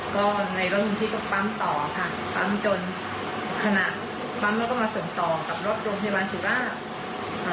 ก็ในรถลุงที่ก็ปั๊มต่อค่ะปั๊มจนขณะปั๊มแล้วก็มาส่งต่อกับรถโรงพยาบาลสุราชอ่า